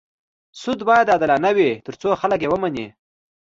سود باید عادلانه وي تر څو خلک یې ومني.